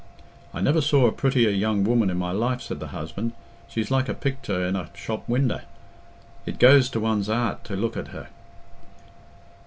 "I never saw a prettier young woman in my life," said the husband. "She's like a pictur in a shop winder. It goes to one's 'eart to look at her."